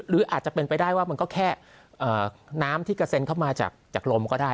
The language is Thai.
หรืออาจจะเป็นไปได้ว่ามันก็แค่น้ำที่กระเซ็นเข้ามาจากลมก็ได้